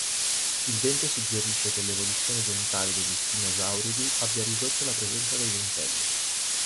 Il dente suggerisce che l'evoluzione dentale degli spinosauridi abbia ridotto la presenza dei dentelli.